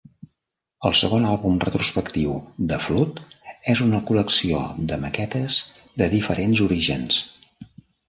El segon àlbum retrospectiu, "The Flood", és una col·lecció de maquetes de diferents orígens.